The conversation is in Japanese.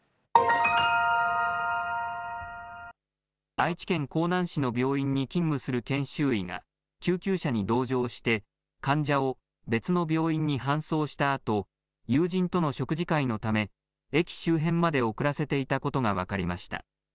愛知県江南市の病院に勤務する研修医が救急車に同乗して、患者を別の病院に搬送したあと、友人との食事会のため、駅周辺まで送らせていたことが分かりました。